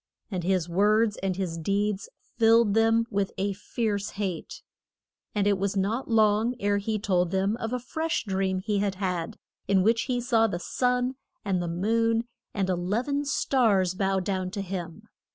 And his words and his deeds filled them with a fierce hate. And it was not long ere he told them of a fresh dream he had had, in which he saw the sun and moon and e lev en stars bow down to him.